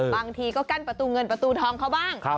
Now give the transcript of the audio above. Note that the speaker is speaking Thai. บางทีก็กั้นประตูเงินประตูทองเขาบ้าง